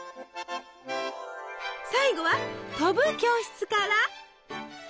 最後は「飛ぶ教室」から！